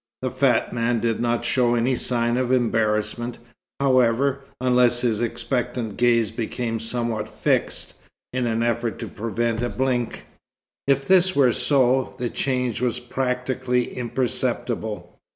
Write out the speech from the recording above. The fat man did not show any sign of embarrassment, however, unless his expectant gaze became somewhat fixed, in an effort to prevent a blink. If this were so, the change was practically imperceptible.